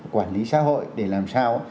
quản lý xã hội để làm sao